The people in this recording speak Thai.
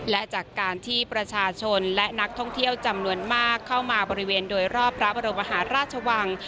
และจากการที่ประชาชนและนักท่องเที่ยวจำนวนมากเข้ามาบริเวณโดยรอบพระบรมหาราชวัง